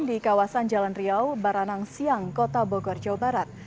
di kawasan jalan riau baranang siang kota bogor jawa barat